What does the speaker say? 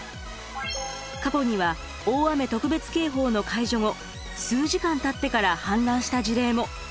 過去には大雨特別警報の解除後数時間たってから氾濫した事例も。